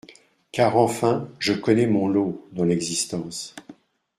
Car, enfin, je connais mon lot, dans l'existence.